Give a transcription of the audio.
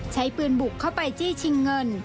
ใช้ปืนบุกเข้าไปจี้ชิงเงิน